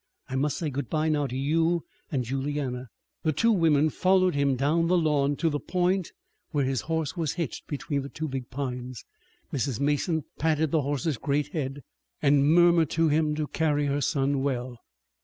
I must say good bye now to you and Juliana." The two women followed him down the lawn to the point where his horse was hitched between the two big pines. Mrs. Mason patted the horse's great head and murmured to him to carry her son well.